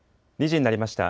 ２時になりました。